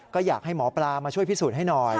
ก็อยากให้หมอปลามาช่วยพิสูจน์ให้หน่อย